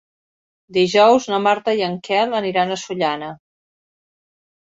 Dijous na Marta i en Quel aniran a Sollana.